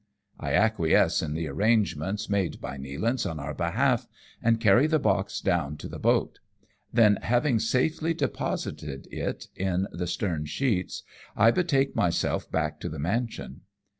I acquiesce in the arrangements made by Nealance on our behalf, and carry the box down to the boat ; then having safely deposited it in the stern sheets^ I betake myself back to the mansion.